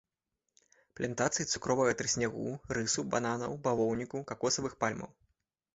Плантацыі цукровага трыснягу, рысу, бананаў, бавоўніку, какосавых пальмаў.